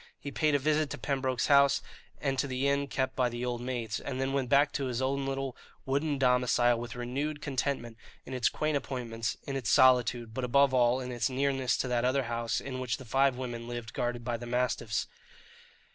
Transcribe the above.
He paid a visit to Pembroke's house, and to the inn kept by the old maids, and then went back to his own little wooden domicile with renewed contentment in its quaint appointments, in its solitude, but above all in its nearness to that other house in which the five women lived guarded by the mastiffs.